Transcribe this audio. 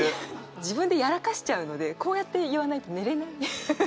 自分でやらかしちゃうのでこうやって言わないと寝れない。